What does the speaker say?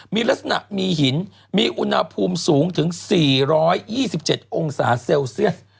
มีลักษณะมีหินมีอุณหภูมิสูงถึง๔๒๗องศาเซลเซียส